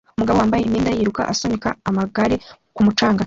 Umugabo wambaye imyenda yiruka asunika amagare ku mucanga